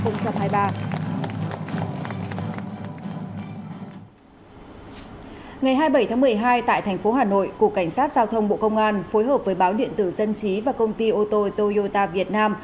ngày hai mươi bảy tháng một mươi hai tại thành phố hà nội cục cảnh sát giao thông bộ công an phối hợp với báo điện tử dân trí và công ty ô tô toyota việt nam